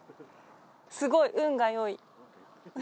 すごい運がよい。